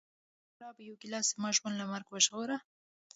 د شرابو یوه ګیلاس زما ژوند له مرګ وژغوره